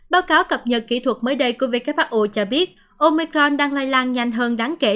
báo cáo cập nhật kỹ thuật mới đây của who cho biết omicron đang lây lan nhanh hơn đáng kể